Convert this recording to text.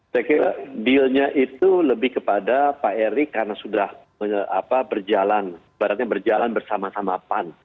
saya kira dealnya itu lebih kepada pak erick karena sudah berjalan ibaratnya berjalan bersama sama pan